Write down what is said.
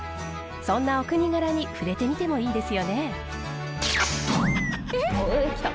そんなお国柄に触れてみてもいいですよね。来た。